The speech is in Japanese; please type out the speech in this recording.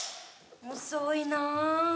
「遅いな」